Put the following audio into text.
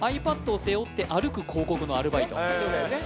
ｉＰａｄを背負って歩く広告のアルバイトねっそうですよね